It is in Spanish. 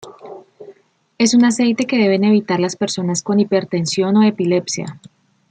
Es un aceite que deben evitar las personas con hipertensión o epilepsia.